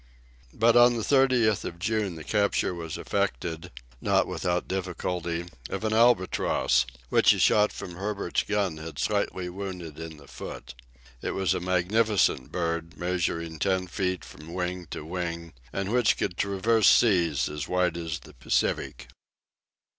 But on the 30th of June the capture was effected, not without difficulty, of an albatross, which a shot from Herbert's gun had slightly wounded in the foot. It was a magnificent bird, measuring ten feet from wing to wing, and which could traverse seas as wide as the Pacific.